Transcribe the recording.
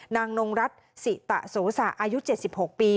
นางนงรัฐศิตะโสสะอายุ๗๖ปี